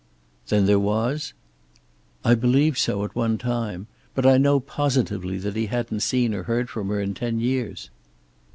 "Then there was?" "I believe so, at one time. But I know positively that he hadn't seen or heard from her in ten years."